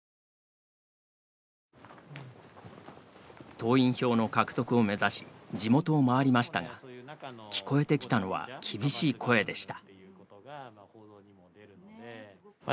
党員票の獲得を目指し地元を回りましたが聞こえてきたのは厳しい声でした。